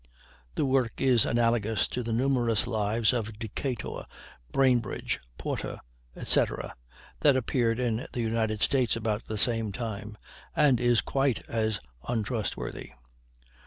The work is analogous to the numerous lives of Decatur, Bainbridge, Porter, etc., that appeared in the United States about the same time, and is quite as untrustworthy.